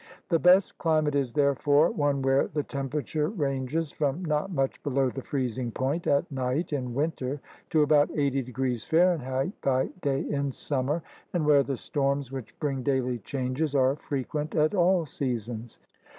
The best climate is, therefore, one where the temperature ranges from not much below the freezing point at night in winter to about 80° F. by day in summer, and where the storms which bring daily changes are frequent at all seasons.